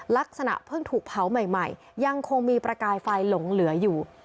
ลักษณะเพิ่งถูกเผาใหม่ยังคงมีประกายไฟหลงเหลืออยู่